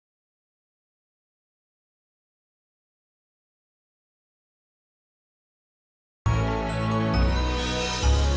mungkin lebih baik kita udahan dulu latihan dramanya yaa